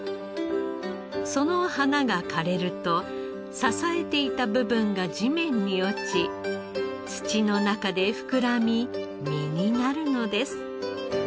その花が枯れると支えていた部分が地面に落ち土の中で膨らみ実になるのです。